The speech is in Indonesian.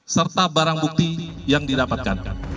serta barang bukti yang didapatkan